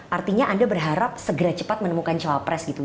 artinya anda berharap segera cepat menemukan cowok pres gitu